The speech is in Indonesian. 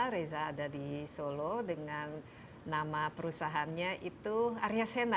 reza ada di solo dengan nama perusahaannya itu arya sena